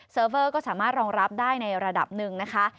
เวอร์ก็สามารถรองรับได้ในระดับหนึ่งนะคะ